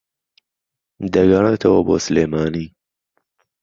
دەگەڕێتەوە بۆ سلێمانی